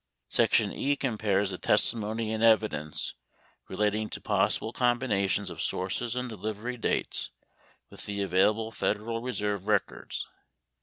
Section E compares the testimony and evidence relating to pos sible combinations of sources and delivery dates with the avail able Federal Reserve records.